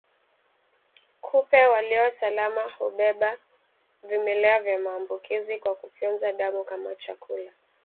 Kupe walio salama hubeba vimelea vya maambukizi kwa kufyonza damu kama chakula